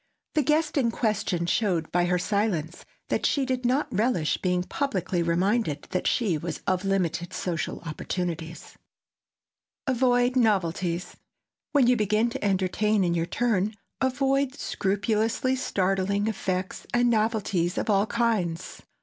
The guest in question showed by her silence that she did not relish being publicly reminded that she was of limited social opportunities. [Sidenote: AVOID NOVELTIES] When you begin to entertain in your turn avoid, scrupulously, startling effects and novelties of all kinds.